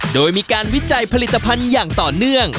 โดยมีการวิจัยผลิตภัณฑ์อย่างต่อเนื่อง